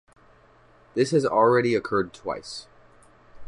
This has already occurred twice.